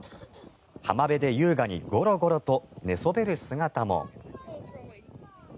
浜辺で優雅にゴロゴロと寝そべる姿も。